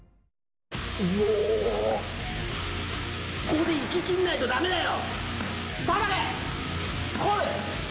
ここで行ききんないとだめだよ。